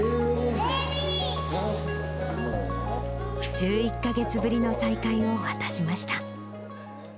１１か月ぶりの再会を果たしました。